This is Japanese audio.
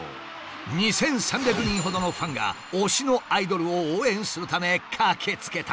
２，３００人ほどのファンが推しのアイドルを応援するため駆けつけた。